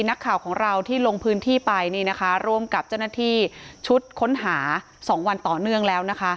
นักข่าวของเราที่ลงพื้นที่ไปนี่นะคะร่วมกับเจ้าหน้าที่ชุดค้นหา๒วันต่อเนื่องแล้วนะคะ